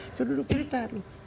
itu dulu kita